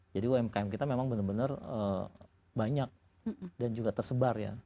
jadi umkm kita memang benar benar banyak dan juga tersebar ya